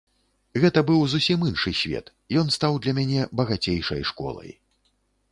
Гэта быў зусім іншы свет, ён стаў для мяне багацейшай школай.